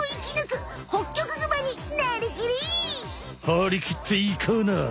はりきっていかな。